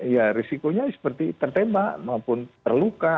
ya risikonya seperti tertembak maupun terluka